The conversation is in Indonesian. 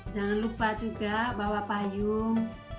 jangan lupa juga bawa payung